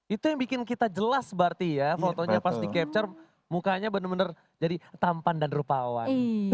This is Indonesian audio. itu yang bikin kita jelas berarti ya fotonya pas di capture mukanya bener bener jadi tampan dan rupawan